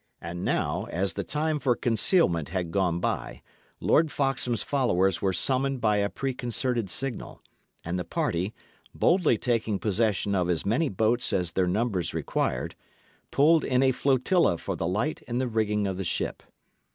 And now, as the time for concealment had gone by, Lord Foxham's followers were summoned by a preconcerted signal, and the party, boldly taking possession of as many boats as their numbers required, pulled in a flotilla for the light in the rigging of the ship.